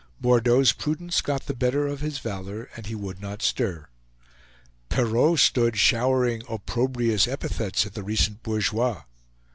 Bordeaux's prudence got the better of his valor, and he would not stir. Perrault stood showering approbrious epithets at the recent bourgeois.